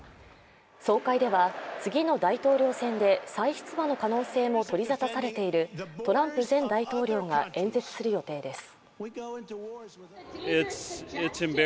総会では次の大統領選で再出馬の可能性も取り沙汰されているトランプ前大統領が演説する予定です。